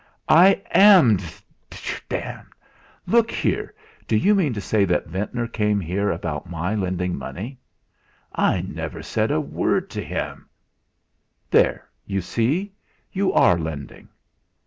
"I am d d! Look here! D'you mean to say that Ventnor came here about my lending money? I never said a word to him " "There you see you are lending!"